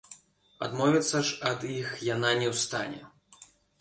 Адмовіцца ж ад іх яна не ў стане.